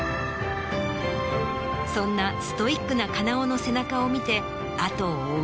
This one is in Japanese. そんなストイックな金尾の背中を見て後を追う